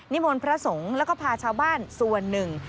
มนต์พระสงฆ์แล้วก็พาชาวบ้านส่วนหนึ่ง